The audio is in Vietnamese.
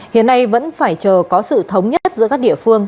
hiện nay vẫn phải chờ có sự thống nhất giữa các địa phương